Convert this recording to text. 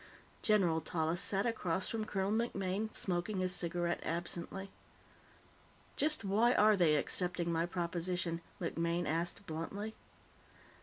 General Tallis sat across from Colonel MacMaine, smoking his cigarette absently. "Just why are they accepting my proposition?" MacMaine asked bluntly.